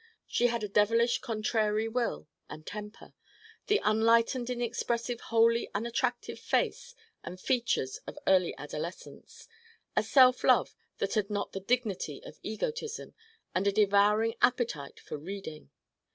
She had a devilish contrary will and temper, the unenlightened inexpressive wholly unattractive face and features of early adolescence, a self love that had not the dignity of egotism and a devouring appetite for reading.